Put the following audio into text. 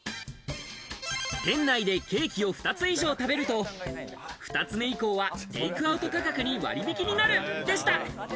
店内でケーキを２つ以上食べると２つ目以降はテークアウト価格に割引きになるでした。